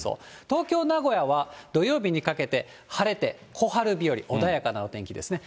東京、名古屋は土曜日にかけて晴れて小春日和、穏やかなお天気ですね。